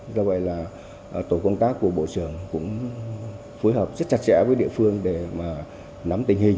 do vậy là tổ công tác của bộ trưởng cũng phối hợp rất chặt chẽ với địa phương để nắm tình hình